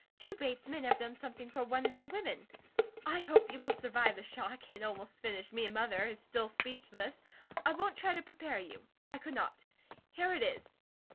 Two Bates men have done something for one of their women. I hope you will survive the shock; it almost finished me and Mother is still speechless. I won't try to prepare you. I could not. Here it is.